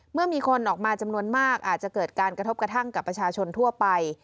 เมื่อมีคนออกมาจำนวนมากอาจจะเกิดการกระทบกระทั่งกับประชาชนทั่วไป